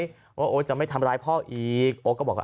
ว่าโอ๊ตจะไม่ทำร้ายพ่ออีกโอ๊ตก็บอกว่า